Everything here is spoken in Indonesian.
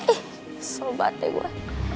ih sobatnya gue